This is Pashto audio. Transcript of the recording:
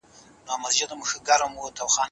هر انسان خپل ځانګړی خوی او خصلت لري.